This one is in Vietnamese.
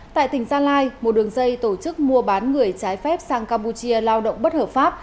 tại tỉnh gia lai một đường dây tổ chức mua bán người trái phép sang campuchia lao động bất hợp pháp